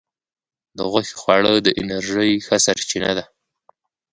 د غوښې خواړه د انرژی ښه سرچینه ده.